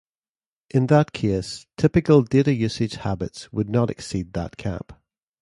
In that case, typical data usage habits would not exceed that cap.